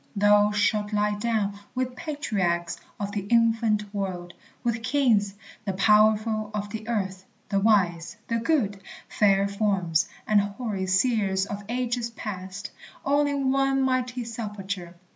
Thou shalt lie down With patriarchs of the infant world, with kings, The powerful of the earth, the wise, the good, Fair forms, and hoary seers of ages past, All in one mighty sepulchre.